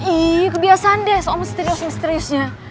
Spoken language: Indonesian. ih kebiasaan deh soal misterius misteriusnya